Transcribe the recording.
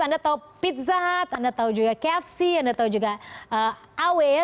anda tahu pizza hut anda tahu juga kfc anda tahu juga awe ya